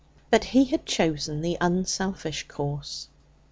But he had chosen the unselfish course.